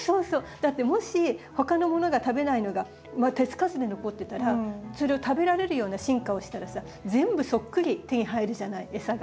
だってもし他のものが食べないのが手付かずで残ってたらそれを食べられるような進化したらさ全部そっくり手に入るじゃない餌が。